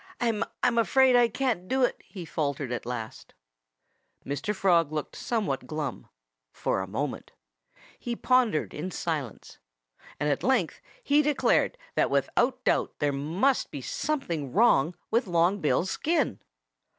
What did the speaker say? "I'm afraid I can't do it," he faltered at last. Mr. Frog looked somewhat glum for a moment. He pondered in silence. And at length he declared that without doubt there must be something wrong with Long Bill's skin!